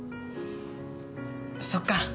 そっか。